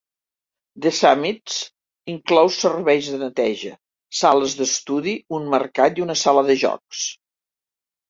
The Summits inclou serveis de neteja, sales d'estudi, un mercat i una sala de jocs.